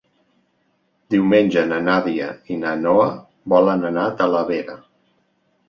Diumenge na Nàdia i na Noa volen anar a Talavera.